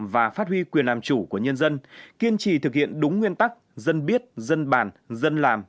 và phát huy quyền làm chủ của nhân dân kiên trì thực hiện đúng nguyên tắc dân biết dân bàn dân làm